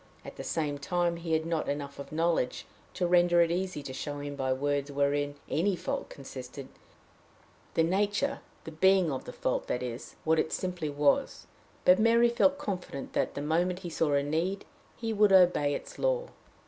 At the same time he had not enough of knowledge to render it easy to show him by words wherein any fault consisted the nature, the being of the fault, that is what it simply was; but Mary felt confident that, the moment he saw a need, he would obey its law.